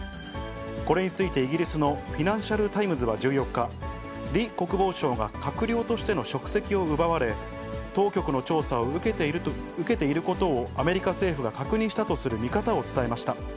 これについてイギリスのフィナンシャル・タイムズは１４日、李国防相が閣僚としての職責を奪われ、当局の調査を受けていることをアメリカ政府が確認したとする見方を伝えました。